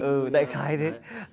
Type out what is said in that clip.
ừ đại khái đấy